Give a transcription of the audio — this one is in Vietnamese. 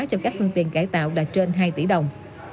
cho các phương tiện cải tạo đạt trên hai tỷ đồng